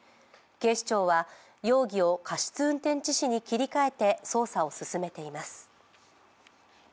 警視庁は容疑を過失運転致死に切り替えて捜査を進めています。